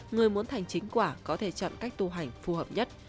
người muốn thành chính quả có thể chọn cách tu hành phù hợp nhất